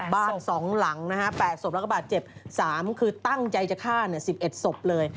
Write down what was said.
บ้าน๒หลังนะฮะ๘ศพแล้วก็บาดเจ็บ๓คือตั้งใจจะฆ่า๑๑ศพเลย